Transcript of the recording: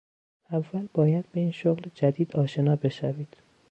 اول باید به این شغل جدید آشنا بشوید.